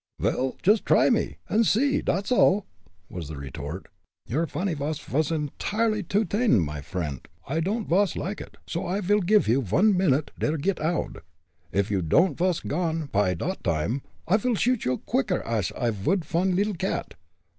"Well, just try me and see, dot's all," was the retort. "Your funniness vas entirely too t'in, mine friendt; I don'd vas like it. So I'll giff you one minnit der git oud. If you don'd vas gone py dot time, I vil shoot you so quicker ash I vould von leedle cat.